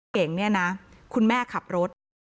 เก่งเนี่ยนะคุณแม่ขับรถ